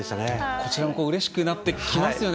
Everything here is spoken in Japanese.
こちらもうれしくなってきますよね